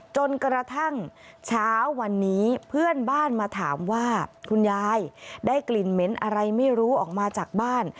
จนกระทั่งเช้าวันนี้เพื่อนบ้านมาถามว่าคุณยายได้กลิ่นเหม็นอะไรไม่รู้ออกมาจากบ้าน